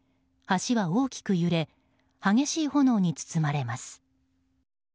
橋は大きく揺れ激しい炎に包まれます。